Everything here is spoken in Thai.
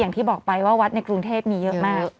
อย่างที่บอกไปว่าวัดในกรุงเทพมีเยอะมาก